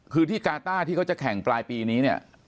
คือที่การ์ต้าที่เขาจะแข่งปลายปีนี้